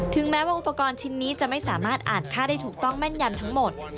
แม้ว่าอุปกรณ์ชิ้นนี้จะไม่สามารถอ่านค่าได้ถูกต้องแม่นยำทั้งหมด